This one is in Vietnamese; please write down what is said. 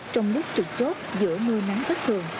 trong đất trực chốt giữa mưa nắng tất thường